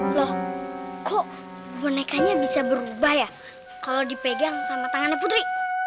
loh kok bonekanya bisa berubah ya kalau dipegang sama tangannya putri